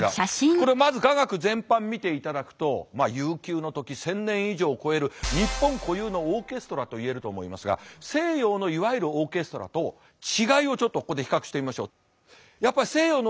これまず雅楽全般見ていただくと悠久の時１，０００年以上を超える日本固有のオーケストラと言えると思いますが西洋のいわゆるオーケストラと違いをちょっとここで比較してみましょう。